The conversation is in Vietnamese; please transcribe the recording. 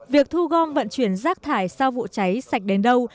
việc thu gom vận chuyển rác thải sau vụ cháy sạch đến đâu